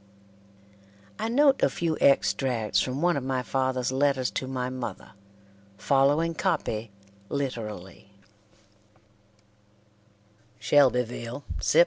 I note a few extracts from one of my father's letters to my mother, following copy literally: "SHELBYVILE, Sept.